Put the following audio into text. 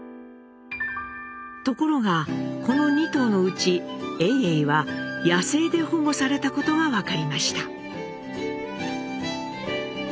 ところがこの２頭のうち永永は野生で保護されたことが分かりました。